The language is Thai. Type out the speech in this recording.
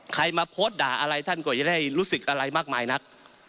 มาโพสต์ด่าอะไรท่านก็จะได้รู้สึกอะไรมากมายนัก